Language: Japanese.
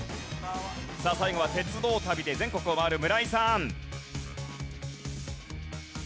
さあ最後は鉄道旅で全国を回る村井さん。